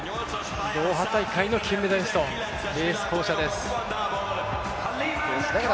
ドーハ大会の金メダリストレース巧者です。